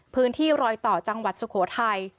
พื้นที่รอยต่อจังหวัดสุโขทัย